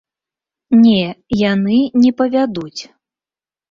Не, яны не павядуць.